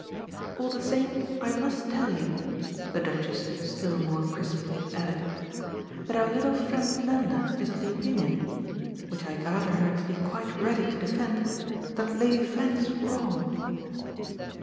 All the same I must tell you," the Duchess still more crisply added, "that our little friend Nanda is of the opinion which I gather her to be quite ready to defend that Lady Fanny's wrong."